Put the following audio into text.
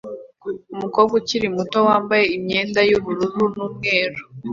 Umukobwa ukiri muto wambaye imyenda yubururu n'umweru